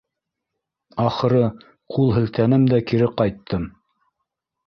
Ахыры, ҡул һелтәнем дә кире ҡайттым